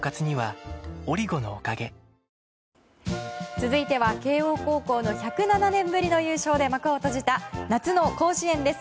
続いては、慶応高校の１０７年ぶりの優勝で幕を閉じた夏の甲子園です。